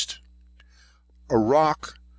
a rock N.